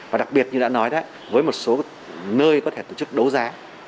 và đặc biệt như đã nói đó với một số nơi có thể tổ chức đấu giá